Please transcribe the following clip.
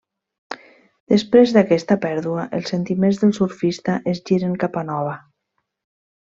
Després d'aquesta pèrdua, els sentiments del Surfista es giren cap a Nova.